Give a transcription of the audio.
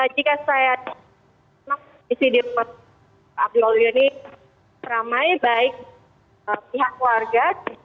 jika saya isi di rumah sakit abdiwaluyo ini ramai baik pihak warga